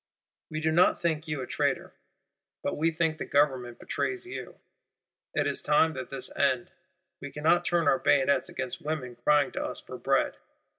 We do not think you a traitor, but we think the Government betrays you; it is time that this end. We cannot turn our bayonets against women crying to us for bread.